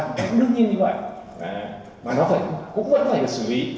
cái đương nhiên như vậy mà nó cũng vẫn phải là xử lý